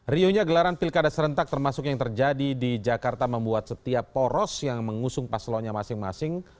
riunya gelaran pilkada serentak termasuk yang terjadi di jakarta membuat setiap poros yang mengusung paslonya masing masing